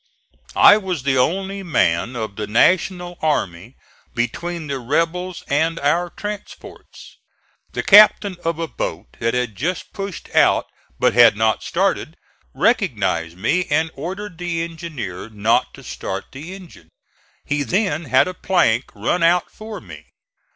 I was the only man of the National army between the rebels and our transports. The captain of a boat that had just pushed out but had not started, recognized me and ordered the engineer not to start the engine; he then had a plank run out for me.